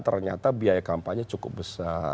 ternyata biaya kampanye cukup besar